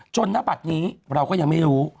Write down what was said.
จนหน้าบัดนี้เราก็ยังไม่รู้